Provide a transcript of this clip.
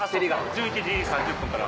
１１時３０分から。